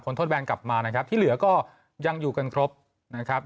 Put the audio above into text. ทดแบนกลับมานะครับที่เหลือก็ยังอยู่กันครบนะครับ